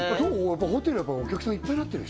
やっぱホテルお客さんいっぱいになってる？